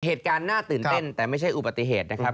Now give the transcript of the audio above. เหตุการณ์น่าตื่นเต้นแต่ไม่ใช่อุบัติเหตุนะครับ